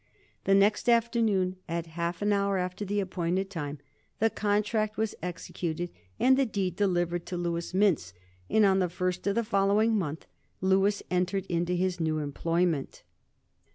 The next afternoon, at half an hour after the appointed time, the contract was executed and the deed delivered to Louis Mintz, and on the first of the following month Louis entered upon his new employment.